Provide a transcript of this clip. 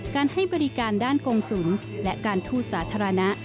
ให้บริการด้านกงศูนย์และการทูตสาธารณะ